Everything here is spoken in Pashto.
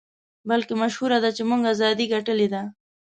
بلکې مشهوره ده چې موږ ازادۍ ګټلې دي.